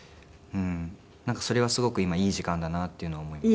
それはすごく今いい時間だなっていうのは思います。